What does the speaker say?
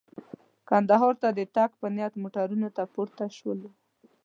کندهار ته د تګ په نیت موټرانو ته پورته شولو.